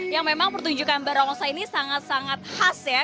yang memang pertunjukan barongsai ini sangat sangat khas ya